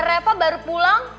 reva baru pulang